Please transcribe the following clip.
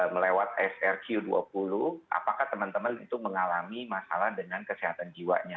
melewat srq dua puluh apakah teman teman itu mengalami masalah dengan kesehatan jiwanya